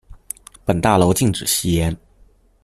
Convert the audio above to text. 本大樓禁止吸煙